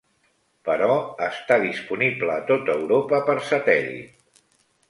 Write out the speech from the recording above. Però està disponible a tot Europa per satèl·lit.